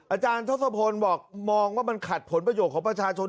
อาจารย์ทศพลบอกมองว่ามันขัดผลประโยชน์ของประชาชน